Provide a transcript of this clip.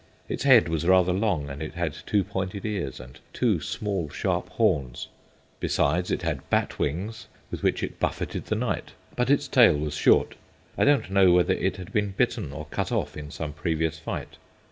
Its head was rather long, and had two pointed ears and two small sharp horns. Besides, it had bat wings, with which it buffeted the knight, but its tail was short. I don't know whether it had been bitten or cut off in some previous fight.